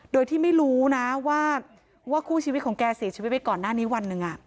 โดยที่ไม่รู้นะว่าคู่ชีวิตของแกเสียชีวิตไปก่อนหน้านี้วันหนึ่ง